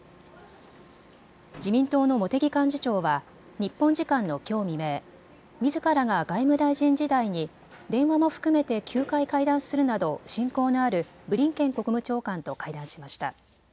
自民党の茂木幹事長は日本時間のきょう未明、みずからが外務大臣時代に電話も含めて９回会談するなど親交のあるブリンケン国務長官と会談しました。